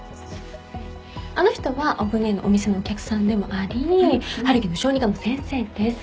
あの人はオグねぇのお店のお客さんでもあり春樹の小児科の先生です。